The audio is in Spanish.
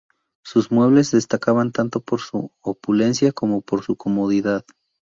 Sus muebles destacaban tanto por su opulencia como por su comodidad.